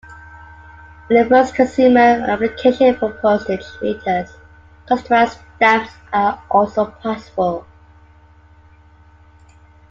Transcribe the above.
In the first consumer application for postage meters, customized stamps are also possible.